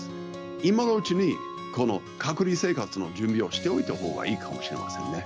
今のうちにこの隔離生活の準備をしておいたほうがいいかもしれませんね。